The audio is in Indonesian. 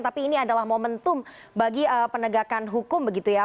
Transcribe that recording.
tapi ini adalah momentum bagi penegakan hukum begitu ya